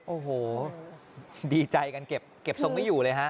โอ้โหดีใจกันเก็บทรงไม่อยู่เลยฮะ